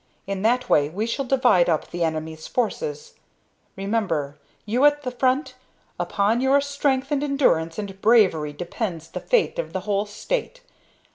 In that way we shall divide up the enemy's forces. Remember, you at the front, upon your strength and endurance and bravery depends the fate of the whole state.